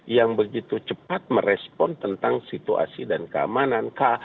yang begitu cepat merespon tentang situasi dan keamanan